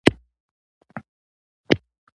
د سنګینې میړه سودخور دي.